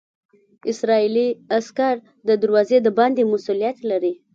اسرائیلي عسکر د دروازې د باندې مسوولیت لري.